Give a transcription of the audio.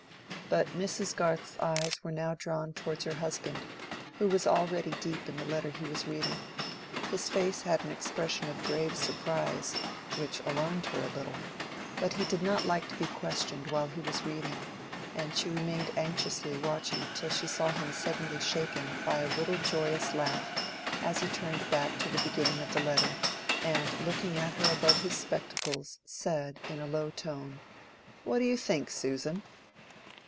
But Mrs. Garth's eyes were now drawn towards her husband, who was already deep in the letter he was reading. His face had an expression of grave surprise, which alarmed her a little, but he did not like to be questioned while he was reading, and she remained anxiously watching till she saw him suddenly shaken by a little joyous laugh as he turned back to the beginning of the letter, and looking at her above his spectacles, said, in a low tone, "What do you think, Susan?"